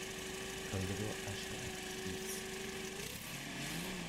A little usher at Keith's.